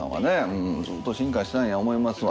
うんずっと進化したいんや思いますわ。